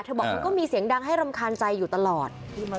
บอกมันก็มีเสียงดังให้รำคาญใจอยู่ตลอด